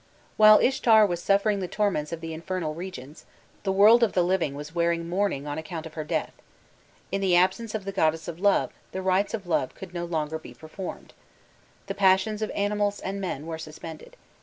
While Ishtar was suffering the torments of the infernal regions, the world of the living was wearing mourning on account of her death. In the absence of the goddess of love, the rites of love could no longer be performed. The passions of animals and men were suspended.